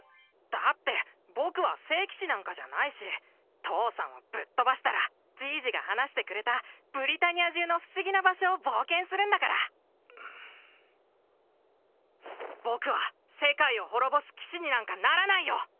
だって僕は聖騎士なんかじゃないし父さんをぶっ飛ばしたらじいじが話してくれたブリタニア中の不思議な場所を冒険するんだから僕は世界を滅ぼす騎士になんかならないよ